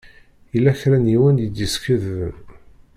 Yella kra n yiwen i d-yeskadben.